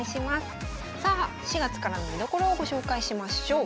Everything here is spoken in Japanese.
さあ４月からの見どころをご紹介しましょう。